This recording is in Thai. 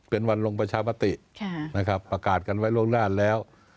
เป็นวันลงประชามตินะครับประกาศกันไว้ล่วงหน้าแล้ว